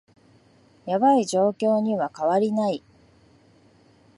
ヤバい状況には変わりない